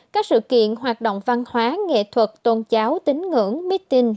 các sự kiện hoạt động văn hóa nghệ thuật tôn giáo tính ngưỡng meeting